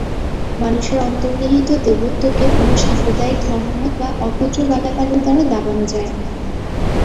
মানুষের অন্তর্নিহিত দেবত্বকে কোন সাম্প্রদায়িক ধর্মমত বা অভদ্র গালাগালির দ্বারা দাবানো যায় না।